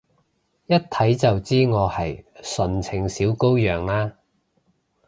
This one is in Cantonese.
一睇就知我係純情小羔羊啦？